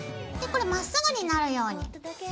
これまっすぐになるように。